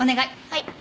はい。